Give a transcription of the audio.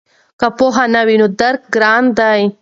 که پوهه نه وي نو درک ګران دی.